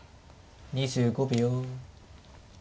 ２５秒。